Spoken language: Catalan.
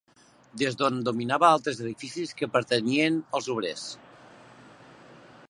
Des d'on dominava altres edificis que pertanyien als obrers